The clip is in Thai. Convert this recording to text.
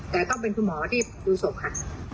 แต่ต้องเป็นคุณหมอที่ดูศพค่ะ